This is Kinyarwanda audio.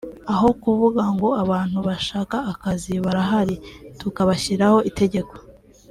aho kuvuga ngo abantu bashaka akazi barahari tukabashyiraho itegeko